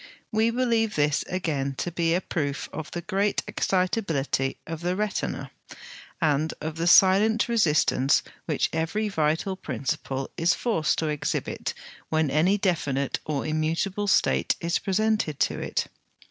We believe this again to be a proof of the great excitability of the retina, and of the silent resistance which every vital principle is forced to exhibit when any definite or immutable state is presented to it.